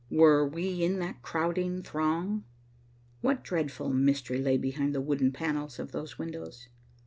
Were we in that crowding throng? What dreadful mystery lay behind the wooden panels of those windows?